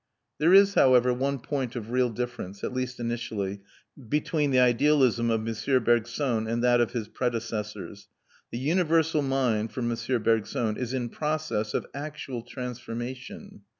There is, however, one point of real difference, at least initially, between the idealism of M. Bergson and that of his predecessors. The universal mind, for M. Bergson, is in process of actual transformation.